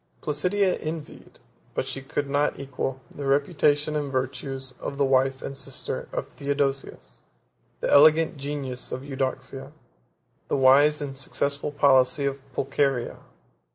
Placidia envied, but she could not equal, the reputation and virtues of the wife and sister of Theodosius, the elegant genius of Eudocia, the wise and successful policy of Pulcheria.